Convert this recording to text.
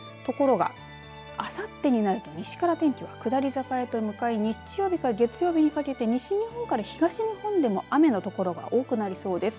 ところが、あさってになると西から天気が下り坂へと向かい日曜日から月曜日にかけて西日本から東日本でも雨のところが多くなりそうです。